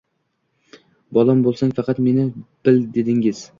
“Bolam bulsang faqat meni bil” dedingiz